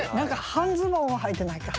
半ズボンははいてないか。